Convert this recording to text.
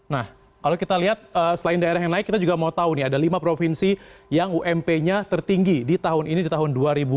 nah kalau kita lihat selain daerah yang naik kita juga mau tahu nih ada lima provinsi yang ump nya tertinggi di tahun ini di tahun dua ribu dua puluh